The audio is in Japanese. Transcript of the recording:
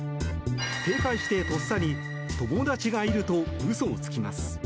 警戒して、とっさに友達がいると嘘をつきます。